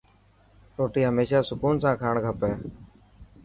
روٽي هميشه سڪون سان کاڻ کپي.